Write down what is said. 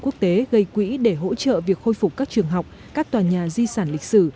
quốc tế gây quỹ để hỗ trợ việc khôi phục các trường học các tòa nhà di sản lịch sử